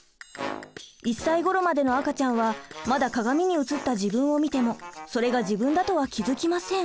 １歳ごろまでの赤ちゃんはまだ鏡に映った自分を見てもそれが自分だとは気付きません。